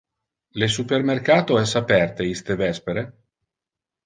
Le supermercato es aperte iste vespere?